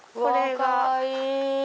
かわいい！